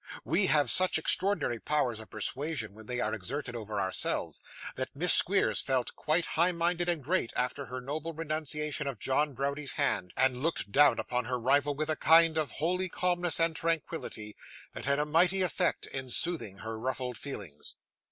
We have such extraordinary powers of persuasion when they are exerted over ourselves, that Miss Squeers felt quite high minded and great after her noble renunciation of John Browdie's hand, and looked down upon her rival with a kind of holy calmness and tranquillity, that had a mighty effect in soothing her ruffled feelings.